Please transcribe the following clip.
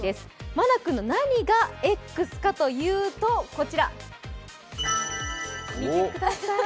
マナ君の何がＸかというと、こちら、見てください。